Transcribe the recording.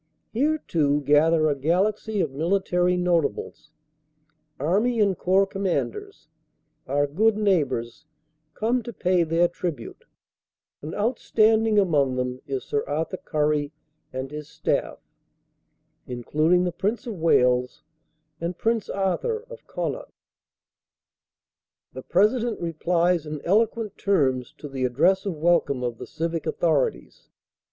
Here, too, gather a galaxy of military not ables; Army and Corps Commanders, our good neighbors, come to pay their tribute; and outstanding among them is Sir Arthur Currie and his staff, including the Prince of Wales and Prince Arthur of Connaught. The President replies in eloquent terms to the address of welcome of the civic authorities.